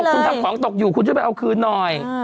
คุณทำของตกอยู่คุณช่วยไปเอาคืนหน่อย